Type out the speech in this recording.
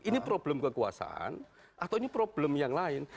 ini problem kekuasaan atau ini problem yang lain